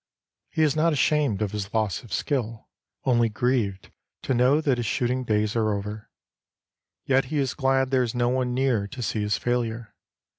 He is not ashamed of his loss of skill, only grieved to know that his shooting days are over, yet he is glad there is no one near to see his failure.